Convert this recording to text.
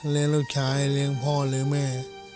เลี้ยงรถชายเลี้ยงพ่อหรือแม่